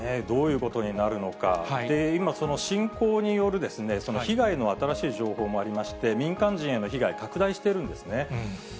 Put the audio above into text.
どういうことになるのか、今、その侵攻による被害の新しい情報もありまして、民間人への被害、拡大しているんですね。